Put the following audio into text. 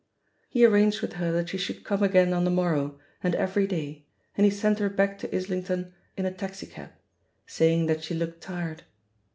He arranged with her that she should come again on the morrow, and every day, and he senii her back to Islington in a taxi cab, saying that she looked tired.